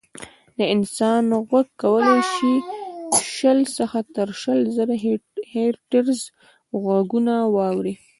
د انسان غوږ کولی شي شل څخه تر شل زره هیرټز غږونه واوري.